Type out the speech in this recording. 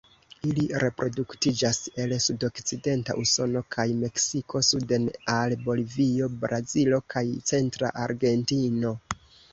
Ili reproduktiĝas el sudokcidenta Usono kaj Meksiko suden al Bolivio, Brazilo kaj centra Argentino.